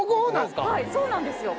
はいそうなんですよ